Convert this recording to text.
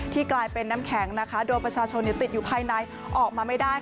กลายเป็นน้ำแข็งนะคะโดยประชาชนติดอยู่ภายในออกมาไม่ได้